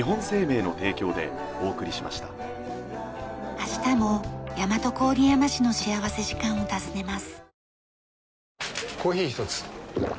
明日も大和郡山市の幸福時間を訪ねます。